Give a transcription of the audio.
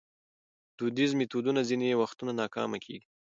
دودیز میتودونه ځینې وختونه ناکامه کېږي.